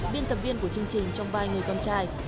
biên tập viên của chương trình trong vai người con trai